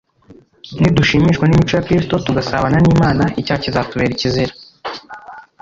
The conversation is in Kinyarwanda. Nidushimishwa n'imico ya Kristo, tugasabana n'Imana, icyaha kizatubera ikizira.